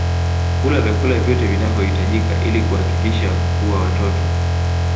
kula vyakula vyote vinavyohitajika ili kuhakikisha kuwa watoto